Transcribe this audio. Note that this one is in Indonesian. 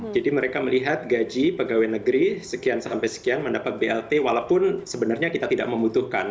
jadi mereka melihat gaji pegawai negeri sekian sampai sekian mendapat blt walaupun sebenarnya kita tidak membutuhkan